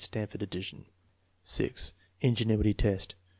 (Stanford addition.) 6. Ingenuity test.